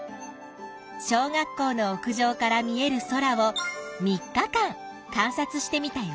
小学校の屋上から見える空を３日間観察してみたよ。